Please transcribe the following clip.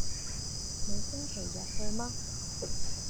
你星期日去嗎？